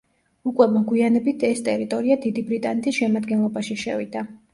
უკვე მოგვიანებით ეს ტერიტორია დიდი ბრიტანეთის შემადგენლობაში შევიდა.